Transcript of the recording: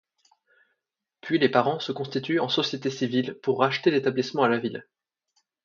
Puis les parents se constituent en société civile pour racheter l'établissement à la ville.